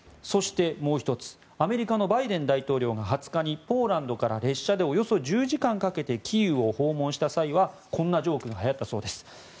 そして、もう１つアメリカのバイデン大統領が２０日にポーランドから列車でおよそ１０時間かけてキーウを訪問した際はこんなジョークがはやったそうです。